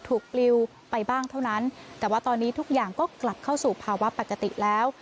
ปลิวไปบ้างเท่านั้นแต่ว่าตอนนี้ทุกอย่างก็กลับเข้าสู่ภาวะปกติแล้ว